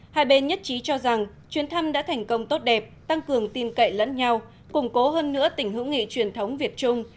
hai bên nhất trí cho rằng chuyến thăm đã thành công tốt đẹp tăng cường tin cậy lẫn nhau củng cố hơn nữa tình hữu nghị truyền thống việt trung